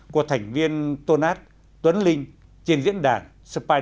của thành viên tôn ác tuấn linh trên diễn đàn spider room